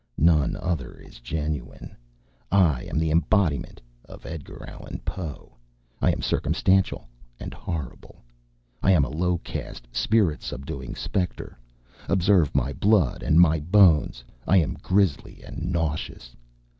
"None other is genuine. I am the embodiment of Edgar Allan Poe. I am circumstantial and horrible. I am a low caste spirit subduing spectre. Observe my blood and my bones. I am grisly and nauseous.